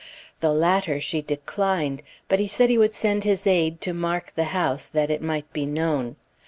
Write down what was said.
The latter she declined, but he said he would send his aide to mark the house, that it might be known.